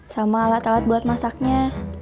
sama alat alat buat masaknya